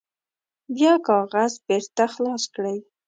بیا کاغذ بیرته خلاص کړئ.